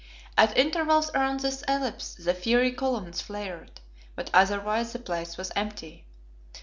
At intervals around this ellipse the fiery columns flared, but otherwise the place was empty.